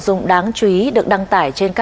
thứ năm ngày một mươi một tháng ba